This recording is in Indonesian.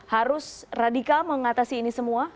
harus radikal mengatasi ini semua